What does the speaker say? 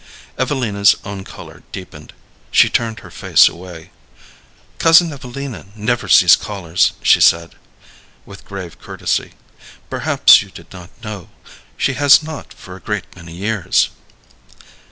Evelina's own color deepened. She turned her face away. "Cousin Evelina never sees callers," she said, with grave courtesy; "perhaps you did not know. She has not for a great many years."